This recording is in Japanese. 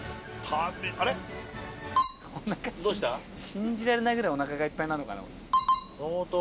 信じられないぐらいお腹がいっぱいなのかな。